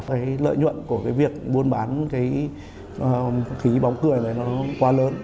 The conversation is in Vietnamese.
cái lợi nhuận của cái việc buôn bán cái khí bóng cười này nó quá lớn